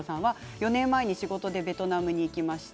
４年前に仕事でベトナムに行きました。